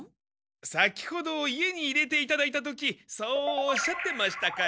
先ほど家に入れていただいた時そうおっしゃってましたから。